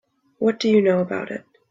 What do you know about it?